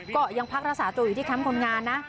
ก็ยังพักรักษาตัวอยู่ที่แคมป์คนงานนะ